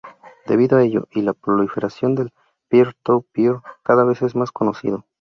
Debido a ello y a la proliferación del peer-to-peer, cada vez es más conocido.